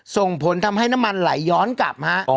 ส่งผลทำให้น้ำมันไหลย้อนกลับฮะ